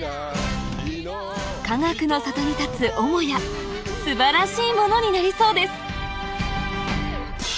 かがくの里に建つ母屋素晴らしいものになりそうです